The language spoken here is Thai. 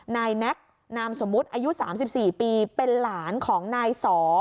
นายแน็กซ์นามสมมุติอายุสามสิบสี่ปีเป็นหลานของนายสอ